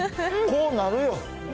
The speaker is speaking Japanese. こうなるよ。